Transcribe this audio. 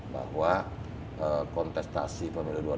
betul ada kompetisi betul ada tensinya akan naik sedikit